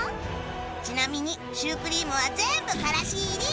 ちなみにシュークリームは全部からし入り